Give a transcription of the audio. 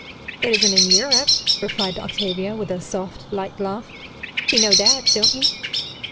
"It isn't in Europe," replied Octavia, with a soft, light laugh. "You know that, don't you?"